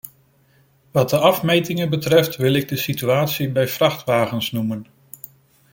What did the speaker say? Wat de afmetingen betreft wil ik de situatie bij vrachtwagens noemen.